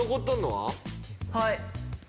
はい。